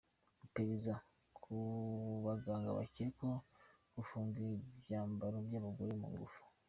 Iperereza ku baganga bakekwaho gufunga imbyaro z’abagore ku ngufu